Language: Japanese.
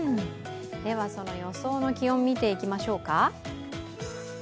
その予想の気温を見ていきましょうか。